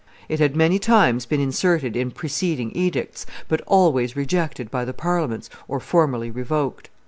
It had many times been inserted in preceding edicts, but always rejected by the Parliaments or formally revoked.